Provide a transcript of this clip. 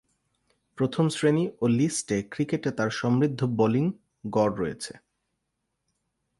প্রথম-শ্রেণী ও list A ক্রিকেটে তার সমৃদ্ধ বোলিং গড় রয়েছে।